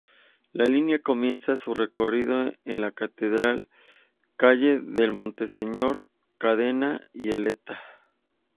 La Línea comienza su recorrido en la Catedral, Calle del Monseñor Cadena y Eleta.